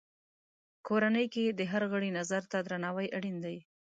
کورنۍ کې د هر غړي نظر ته درناوی اړین دی.